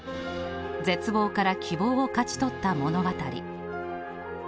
絶望から希望を勝ち取った物語。